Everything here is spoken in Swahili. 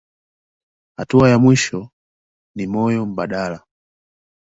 Hatua ya mwisho ni moyo mbadala.